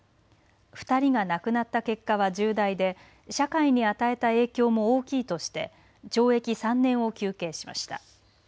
２人が亡くなった結果は重大で社会に与えた影響も大きいとして懲役３年を求刑しました。